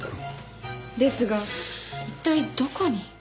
ですが一体どこに？